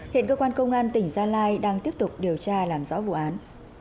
hiện cơ quan công an tỉnh gia lai đang tiếp tục điều tra làm rõ vụ án